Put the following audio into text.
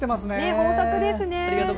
豊作ですね。